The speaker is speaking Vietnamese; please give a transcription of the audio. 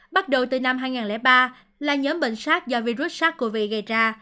bắt đầu từ năm hai nghìn ba là nhóm bệnh sars do virus sars cov gây ra